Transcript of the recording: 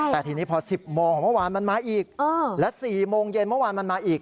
แต่ทีนี้พอ๑๐โมงของเมื่อวานมันมาอีกและ๔โมงเย็นเมื่อวานมันมาอีก